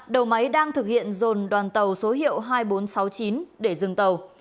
đầu máy đang thực hiện dồn đoàn tàu số hiệu hai nghìn bốn trăm sáu mươi chín để dừng tàu